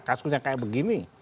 kasusnya kayak begini